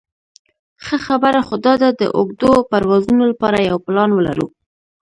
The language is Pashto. ښه خبره خو داده د اوږدو پروازونو لپاره یو پلان ولرو.